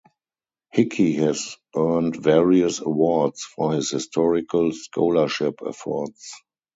Hickey has earned various awards for his historical scholarship efforts.